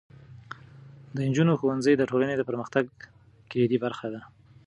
د نجونو ښوونځی د ټولنې د پرمختګ کلیدي برخه ده.